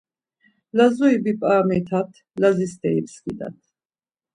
Lazuri bip̌aramitat, Lazi steri pskidat.